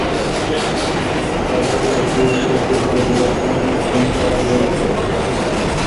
তবে এটির প্রচুর পরিবর্তন সাধন করা হয়েছে।